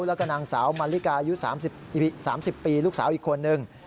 แล้วก็นางสาวมาริกาอายุ๓๐ปีลูกสาวอีกคนนึง